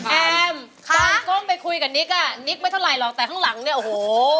แอมตอนก้มไปคุยกับนิกอ่ะนิกไม่เท่าไหร่หรอกแต่ข้างหลังเนี่ยโอ้โห